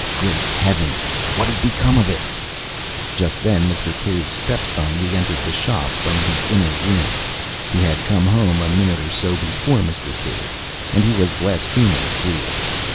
"Great Heavens! what has become of it?" Just then, Mr. Cave's step son re entered the shop from the inner room he had come home a minute or so before Mr. Cave and he was blaspheming freely.